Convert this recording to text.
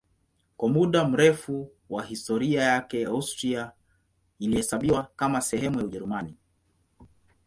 Kwa muda mrefu wa historia yake Austria ilihesabiwa kama sehemu ya Ujerumani.